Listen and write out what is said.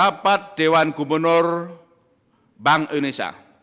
rapat dewan gubernur bank indonesia